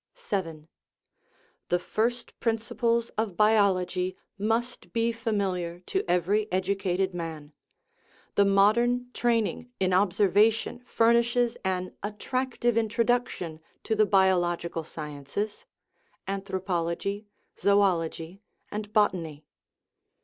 7. The first principles of biology must be familiar to every educated man; the modern training in observa tion furnishes an attractive introduction to the biologi cal sciences (anthropology, zoology, and botany).